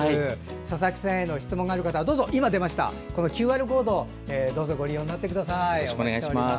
佐々木洋さんへの質問がある方はＱＲコードをどうぞご利用ください。